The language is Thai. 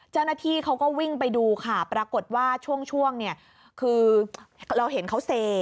เจ้าหน้าที่เขาก็วิ่งไปดูค่ะปรากฏว่าช่วงเนี่ยคือเราเห็นเขาเซ